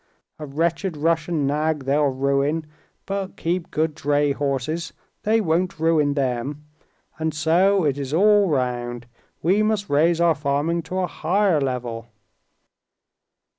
A wretched Russian nag they'll ruin, but keep good dray horses—they won't ruin them. And so it is all round. We must raise our farming to a higher level."